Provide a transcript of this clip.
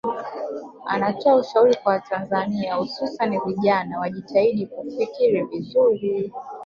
Anatoa ushauri kwa Watanzania hususani vijana wajitahidi kufikiri vizuri